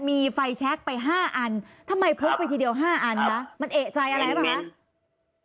มีไฟแช็คไปห้าอันทำไมพกไปทีเดียวห้าอันล่ะครับมันเอกใจอะไรหรือเปล่าฮะ